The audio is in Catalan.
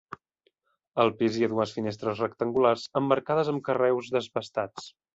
Al pis hi ha dues finestres rectangulars emmarcades amb carreus desbastats.